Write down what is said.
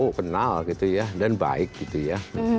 oh kenal gitu ya dan baik gitu ya